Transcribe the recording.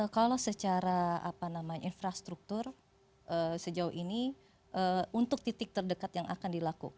kalau secara infrastruktur sejauh ini untuk titik terdekat yang akan dilakukan